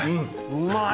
うまい。